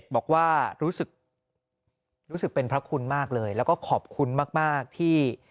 บอกว่ารู้สึกเป็นพระคุณมากเลยแล้วก็ขอบคุณมากที่